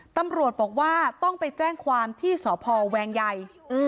ตำรวจบอกว่าต้องไปแจ้งความที่สพแวงใหญ่